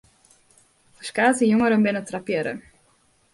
Ferskate jongeren binne trappearre.